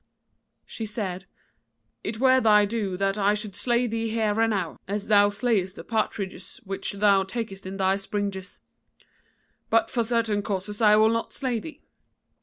"She said: 'It were thy due that I should slay thee here and now, as thou slayest the partridges which thou takest in thy springes: but for certain causes I will not slay thee.